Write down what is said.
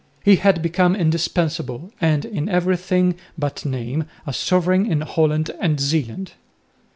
He had become indispensable, and in everything but name a sovereign in Holland and Zeeland.